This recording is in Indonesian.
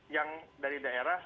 yang dari daerah